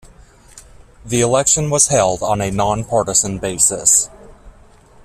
The election was held on a non-partisan basis.